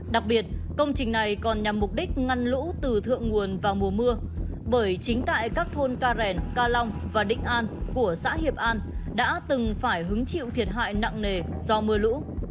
đặc biệt công trình này còn nhằm mục đích ngăn lũ từ thượng nguồn vào mùa mưa bởi chính tại các thôn ca rèn ca long và định an của xã hiệp an đã từng phải hứng chịu thiệt hại nặng nề do mưa lũ